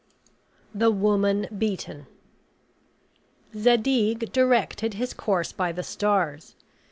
THE WOMAN BEATEN Zadig directed his course by the stars.